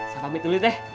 salam itu dulu teh